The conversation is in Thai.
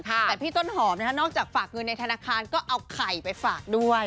แต่พี่ต้นหอมนอกจากฝากเงินในธนาคารก็เอาไข่ไปฝากด้วย